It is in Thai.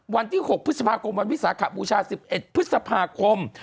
วันที่๖พฤษภาคมวันวิสาขบูชา๑๑พฤษภาคม